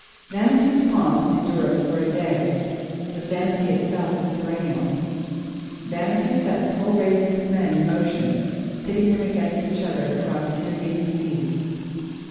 Vanity's pomp endureth for a day, but Vanity itself is perennial. Vanity sets whole races of men in motion, pitting them against each other across intervening seas.